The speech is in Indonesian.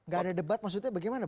gak ada debat maksudnya bagaimana